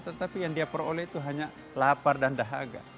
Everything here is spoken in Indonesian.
tetapi yang diapar oleh itu hanya lapar dan dahaga